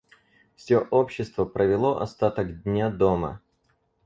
Все общество провело остаток дня дома.